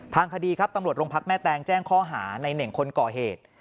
ทางคดีครับตำรวจโรงพักแม่แตงแจ้งข้อหาในเน่งคนก่อเหตุ